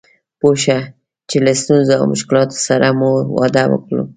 پوه شه چې له ستونزو او مشکلاتو سره مو واده وکړ.